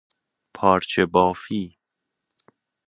پارچه بافی